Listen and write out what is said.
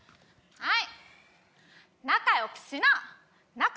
はい。